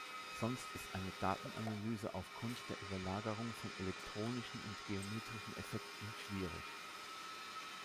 Sonst ist eine Datenanalyse aufgrund der Überlagerung von elektronischen und geometrischen Effekten schwierig.